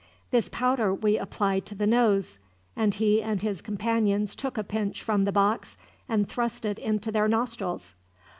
"This powder we apply to the nose," and he and his companions took a pinch from the box, and thrust it into their nostrils.